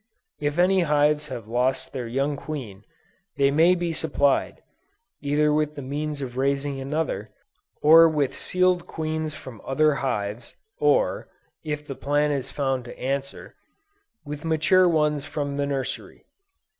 If any hives have lost their young queen, they may be supplied, either with the means of raising another, or with sealed queens from other hives, or, (if the plan is found to answer,) with mature ones from the "Nursery."